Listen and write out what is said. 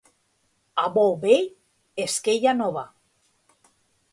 A bou vell, esquella nova.